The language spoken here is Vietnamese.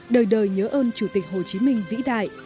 đời đời nhớ ơn chủ tịch hồ chí minh vĩ đại